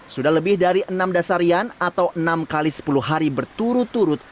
sudah lebih dari enam dasarian atau enam x sepuluh hari berturut turut